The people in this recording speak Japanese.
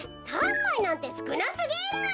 ３まいなんてすくなすぎる。